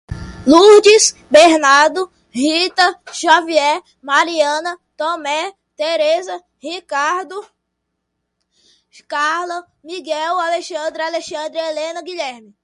Lurdes, Bernardo, Rita, Xavier, Mariana, Tomé, Teresa, Ricardo, Carla, Miguel, Alexandra, Alexandre, Helena, Guilherme.